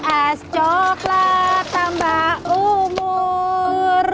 es coklat tambah umur